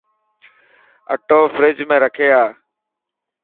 اثو فريج ۾ رکي آءِ.